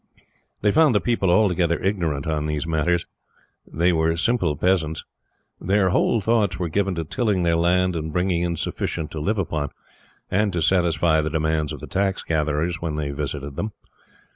They found the people altogether ignorant on these matters. They were simple peasants. Their whole thoughts were given to tilling their land, and bringing in sufficient to live upon, and to satisfy the demands of the tax gatherers when they visited them.